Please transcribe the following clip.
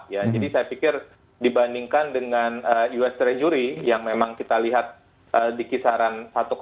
jadi saya pikir dibandingkan dengan us treasury yang memang kita lihat di kisaran satu lima